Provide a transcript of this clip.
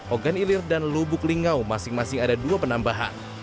oganilir dan lubuk lingau masing masing ada dua penambahan